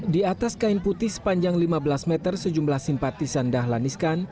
di atas kain putih sepanjang lima belas meter sejumlah simpatisan dahlan iskan